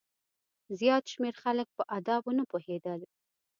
زیات شمېر خلک په آدابو نه پوهېدل.